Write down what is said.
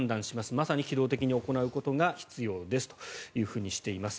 まさに機動的に行うことが必要ですとしています。